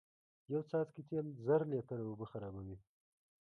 یو څاڅکی تیل زر لیتره اوبه خرابوی